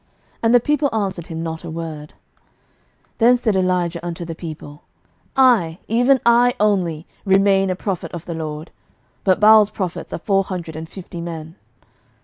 And the people answered him not a word. 11:018:022 Then said Elijah unto the people, I, even I only, remain a prophet of the LORD; but Baal's prophets are four hundred and fifty men.